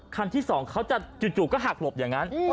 คันที่๒เขาจะจู่ก็หักหลบอย่างนั้น